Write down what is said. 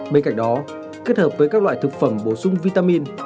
bên cạnh đó kết hợp với các loại thực phẩm bổ sung vitamin